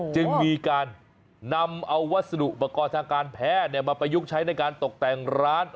จึงมีการนำเอาวัสดุอุปกรณ์ทางการแพทย์มาประยุกต์ใช้ในการตกแต่งร้าน